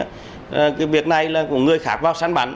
cái việc này là của người khác vào sản bản